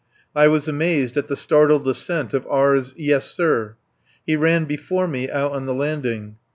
I was amazed at the startled alacrity of R's "Yes, sir." He ran before me out on the landing.